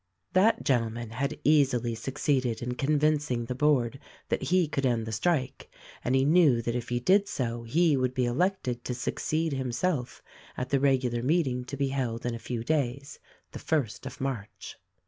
That gentleman had easily succeeded in convincing the board that he could end the strike ; and he knew that if he did so he would be elected to succeed himself at the regular meeting to be held in a few days — the first of March.